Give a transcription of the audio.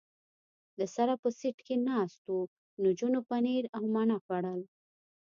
له سره په سېټ کې ناست و، نجونو پنیر او مڼه خوړل.